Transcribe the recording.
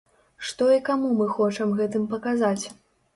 Што і каму мы хочам гэтым паказаць?